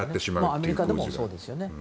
アメリカでもそうですよね。